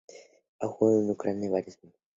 Ha jugado en Ucrania varios años.